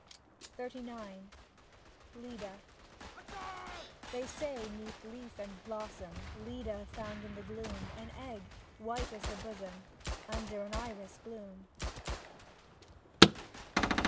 XXXIX LEDA They say, 'neath leaf and blossom Leda found in the gloom An egg, white as her bosom, Under an iris bloom.